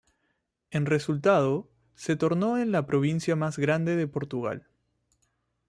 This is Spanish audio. En resultado, se tornó en la provincia más grande de Portugal.